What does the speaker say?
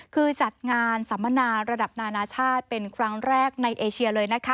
คือจัดงานสัมมนาระดับนานาชาติเป็นครั้งแรกในเอเชียเลยนะคะ